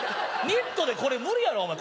ニットでこれ無理やろお前